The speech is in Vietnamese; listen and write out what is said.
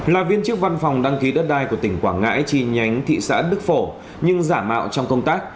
là viên chức văn phòng đăng ký đất đai của tỉnh quảng ngãi trì nhánh thị xã đức phổ nhưng giả mạo trong công tác